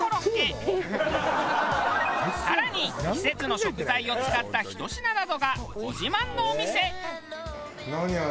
更に季節の食材を使ったひと品などがご自慢のお店。